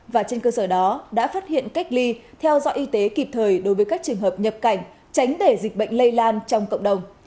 và trên cơ sở đó đã phát hiện cách ly theo dõi y tế kịp thời đối với các trường hợp nhập cảnh tránh để dịch bệnh lây lan trong cộng đồng